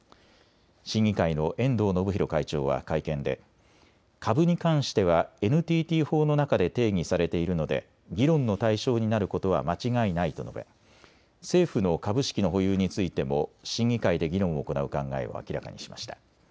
審議会の遠藤信博会長は会見で株に関してはＮＴＴ法の中で定義されているので議論の対象になることは間違いないと述べ政府の株式の保有についても審議会で議論を行う考えを明らかにしました。